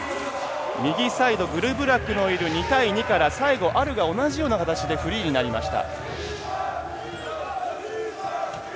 右サイドグルブラクのいる２対２から最後、アルが同じような形でフリーになりました。